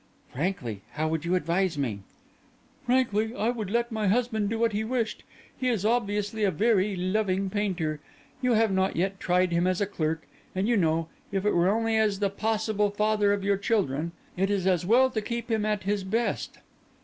"Frankly, how would you advise me?" "Frankly, I would let my husband do what he wished. He is obviously a very loving painter; you have not yet tried him as a clerk. And you know—if it were only as the possible father of your children—it is as well to keep him at his best."